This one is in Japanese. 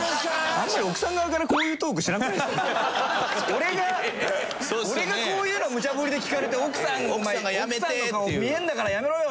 あんまり奥さん側から俺が俺がこういうのむちゃぶりで聞かれて「お前奥さんの顔見えるんだからやめろよ！」